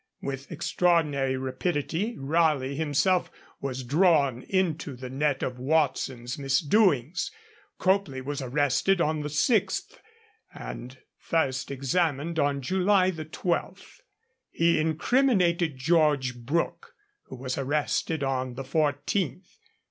With extraordinary rapidity Raleigh himself was drawn into the net of Watson's misdoings. Copley was arrested on the 6th, and first examined on July 12. He incriminated George Brooke, who was arrested on the 14th.